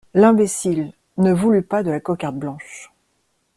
L'imbécile, ne voulut pas de la cocarde blanche.